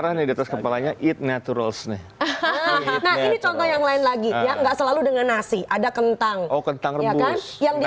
hahaha ini contoh yang lain lagi nggak selalu dengan nasi ada kentang kentang rebus yang di